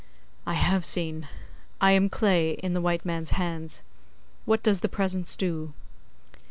'I have seen. I am clay in the white man's hands. What does the Presence do?